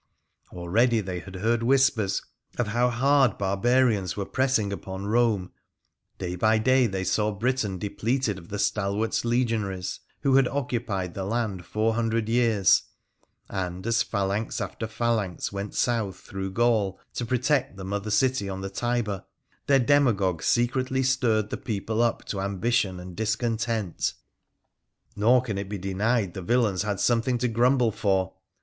Already they had heard whispers of how hard barbarians were pressing upon Borne, day by day they saw Britain depleted of the stalwart legionaries who had occupied the land four hundred years, and as phalanx after phalanx went south through Gaul to protect the mother city on the Tiber their demagogues secretly stirred the people up to ambition and discontent. Nor can it be denied the villains had something to grumble for.